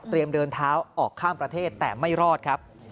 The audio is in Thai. เดินเท้าออกข้ามประเทศแต่ไม่รอดครับ